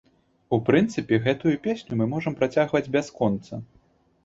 У прынцыпе, гэтую песню мы можам працягваць бясконца.